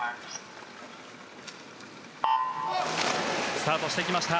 スタートしていきました。